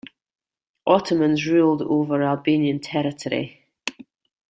Ottomans ruled over Albanian territory.